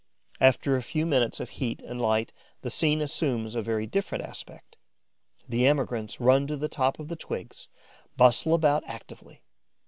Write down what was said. After a few minutes of heat and light, the scene assumes a very different aspect. The emigrants run to the top of the twigs, bustle about actively.